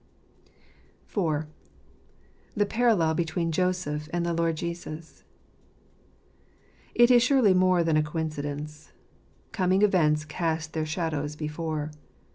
IV. The Parallel between Joseph and the Lord Jesus. — It is surely more than a coincidence. "Coming events cast their shadows before."